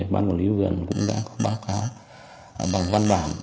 ban quản lý vườn cũng đã có báo cáo bằng văn bản